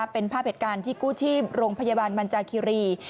เป็นภาพเหตุการณ์ที่กู้ชีพโรงพยาบาลบรรจาคิรี